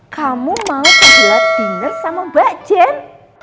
kamu mau candlelight dinner sama mbak jen